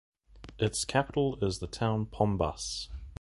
Its capital is the town Pombas.